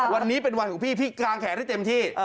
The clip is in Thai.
วันนี้เป็นวันของพี่พี่กางแขนให้เต็มที่